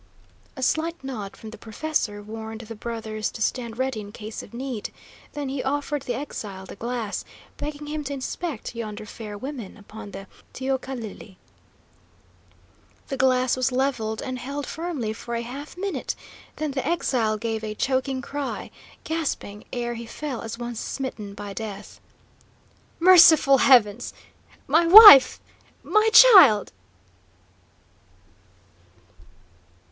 A slight nod from the professor warned the brothers to stand ready in case of need, then he offered the exile the glass, begging him to inspect yonder fair women upon the teocalli. The glass was levelled and held firmly for a half minute, then the exile gave a choking cry, gasping, ere he fell as one smitten by death: "Merciful heavens! My wife my child!"